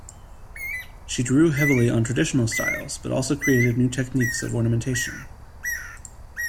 She drew heavily on traditional styles, but also created new techniques of ornamentation.